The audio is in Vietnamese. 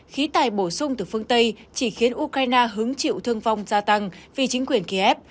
khí tài bổ sung từ phương tây chỉ khiến ukraine hứng chịu thương vong gia tăng vì chính quyền kiev